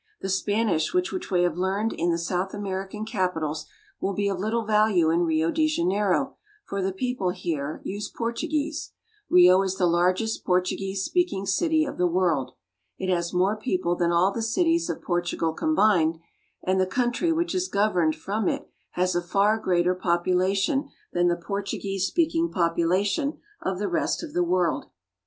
The Spanish which we have learned in the South American capitals will be of little value in Rio de Janeiro, for the people here use Portuguese. Rio is the largest Portuguese speaking city of the world. It has more peo ple than all the cities of Portugal combined, and the coun try which is governed from it has a far greater population than the Portuguese speaking population of the rest of the world.